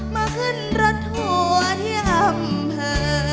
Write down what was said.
มาขึ้นรถทัวร์ที่อำเภอ